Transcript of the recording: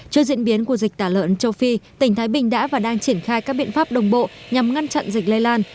trước diễn biến của dịch tả lợn châu phi tỉnh thái bình đã và đang triển khai các biện pháp đồng bộ nhằm ngăn chặn dịch lây lan